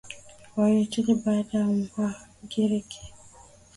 wa Wahiti Baadaye Wagiriki Warumi Byzantine na Ottoman